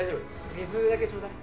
水だけちょうだい。